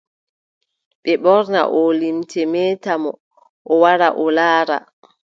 Ɓe ɓorna oo limce, meeta mo, o wara o laara.